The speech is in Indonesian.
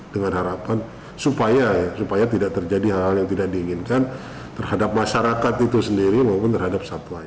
dengan harapan supaya tidak terjadi hal hal yang tidak diinginkan terhadap masyarakat itu sendiri maupun terhadap satwa